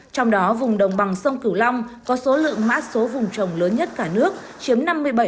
trong đó vùng đồng bằng sông cửu long có số lượng mã số vùng trồng lớn nhất cả nước chiếm năm mươi bảy